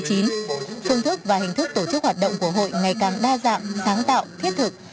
phương thức và hình thức tổ chức hoạt động của hội ngày càng đa dạng sáng tạo thiết thực